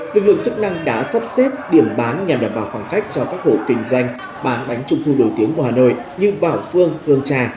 lực lượng chức năng đã sắp xếp điểm bán nhằm đảm bảo khoảng cách cho các hộ kinh doanh bán bánh trung thu nổi tiếng của hà nội như bảo phương hương trà